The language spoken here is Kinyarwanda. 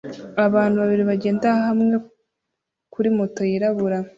Abantu babiri bagenda hamwe kuri moto yirabura